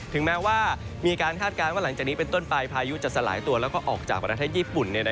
แม้ว่ามีการคาดการณ์ว่าหลังจากนี้เป็นต้นไปพายุจะสลายตัวแล้วก็ออกจากประเทศญี่ปุ่น